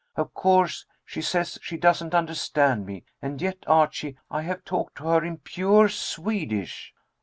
"Of course, she says she doesn't understand me. And yet, Archie, I have talked to her in pure Swedish."